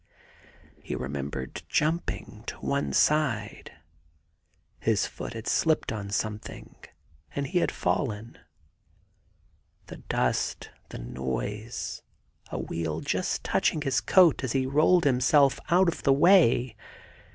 He re membered jumping to one side. His foot had slipped on something, and he had fallen. The dust, the noise, a wheel just touching his coat as he rolled himself out of the way.